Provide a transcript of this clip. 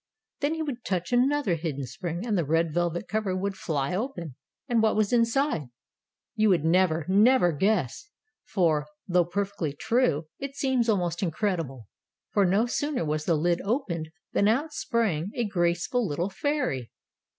Then he would touch another hidden spring, and the red velvet cover would fly open. And what was inside ? You would never, never guess, for, though perfectly true, it seems almost incredible. 164 Tales of Modern Germany For no sooner was the lid opened, than out sprang a graceful little fairy.